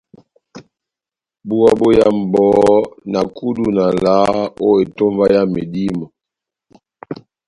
Búwa bóyámu bohó, na kudu na valaha ó etómba yá medímo.